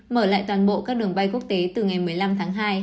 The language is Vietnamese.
mở lại toàn bộ các đường bay quốc tế từ ngày một mươi năm tháng hai